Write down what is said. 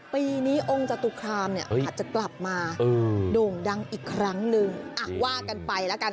ปีนี้องค์จตุครามเนี่ยอาจจะกลับมาโด่งดังอีกครั้งนึงว่ากันไปแล้วกัน